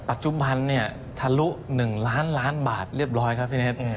ปัจจุบันเนี่ยทะลุ๑ล้านล้านบาทเรียบร้อยครับพี่เน็ต